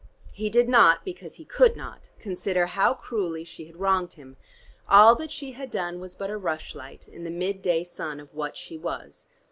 He did not, because he could not, consider how cruelly she had wronged him: all that she had done was but a rush light in the mid day sun of what she was.